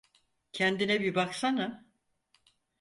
Kendine bir baksana.